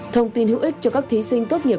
thông tin hữu ích cho các thí sinh tốt nghiệp